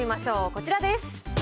こちらです。